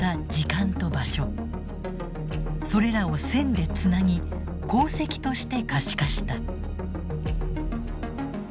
それらを線でつなぎ航跡として可視化した。